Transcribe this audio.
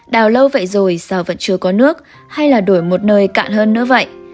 đào lâu vậy rồi sao vẫn chưa có nước hay là đổi một nơi cạn hơn nữa vậy